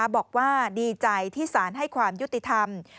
บอกว่าดีใจที่สารให้ความยุติธรรม